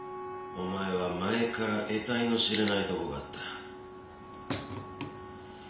お前は前からえたいの知れないとこがあった。